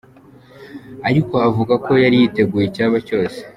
Ariko avuga ko yari yiteguye icyaba cyose.